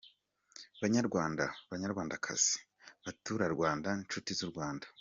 "Banyarwanda, Banyarwandakazi, Baturarwanda, Nshuti z’u Rwanda.